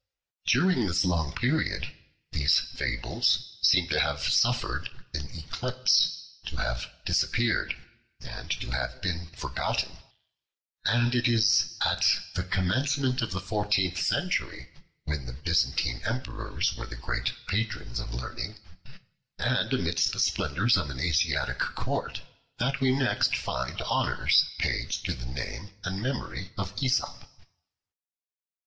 During this long period these fables seem to have suffered an eclipse, to have disappeared and to have been forgotten; and it is at the commencement of the fourteenth century, when the Byzantine emperors were the great patrons of learning, and amidst the splendors of an Asiatic court, that we next find honors paid to the name and memory of Aesop.